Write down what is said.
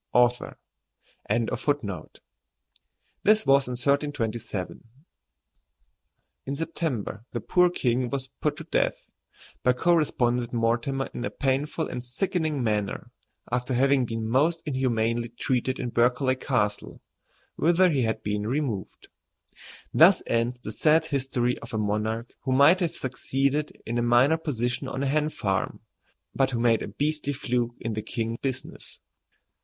Author.] In September the poor king was put to death by co respondent Mortimer in a painful and sickening manner, after having been most inhumanly treated in Berkeley Castle, whither he had been removed. Thus ends the sad history of a monarch who might have succeeded in a minor position on a hen farm, but who made a beastly fluke in the king business.